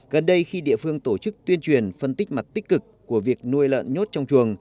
gần đây khi địa phương tổ chức tuyên truyền phân tích mặt tích cực của việc nuôi lợn nhốt trong chuồng